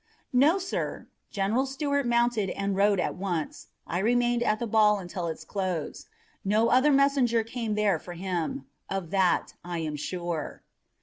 "No, sir. General Stuart mounted and rode at once. I remained at the ball until its close. No other messenger came there for him. Of that I am sure."